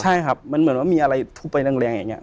ใช่ครับมันเหมือนว่ามีอะไรทุบไปแรงอย่างนี้